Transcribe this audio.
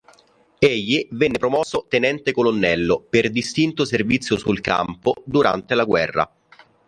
Egli venne promosso Tenente Colonnello "per distinto servizio sul campo" durante la guerra.